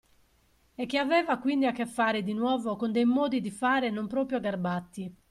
E che aveva quindi a che fare di nuovo con dei modi di fare non proprio garbati.